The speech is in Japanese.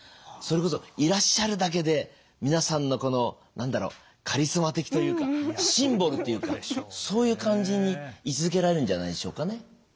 それこそいらっしゃるだけで皆さんのこの何だろカリスマ的というかシンボルというかそういう感じにい続けられるんじゃないでしょうかね。